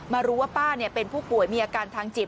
รู้ว่าป้าเป็นผู้ป่วยมีอาการทางจิต